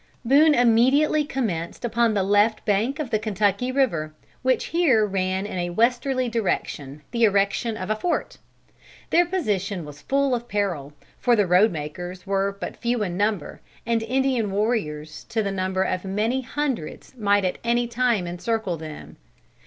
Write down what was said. Boone immediately commenced upon the left bank of the Kentucky river, which here ran in a westerly direction, the erection of a fort. Their position was full of peril, for the road makers were but few in number, and Indian warriors to the number of many hundreds might at any time encircle them.